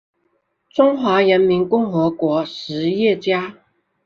中华人民共和国实业家。